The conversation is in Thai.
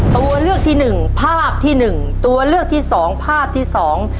ตัวเลือกที่หนึ่งภาพที่หนึ่งตัวเลือกที่สองภาพที่สอง